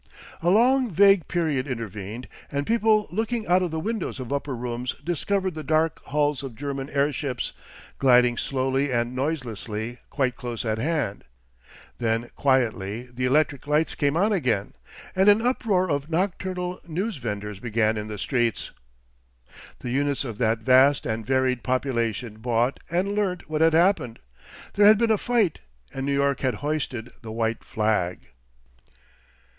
A long, vague period intervened, and people looking out of the windows of upper rooms discovered the dark hulls of German airships, gliding slowly and noiselessly, quite close at hand. Then quietly the electric lights came on again, and an uproar of nocturnal newsvendors began in the streets. The units of that vast and varied population bought and learnt what had happened; there had been a fight and New York had hoisted the white flag.